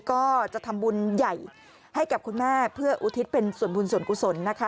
ก็จะทำบุญใหญ่ให้กับคุณแม่เพื่ออุทิศเป็นส่วนบุญส่วนกุศลนะคะ